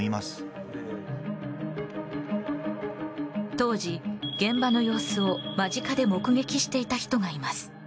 当時、現場の様子を間近で目撃していた人がいます。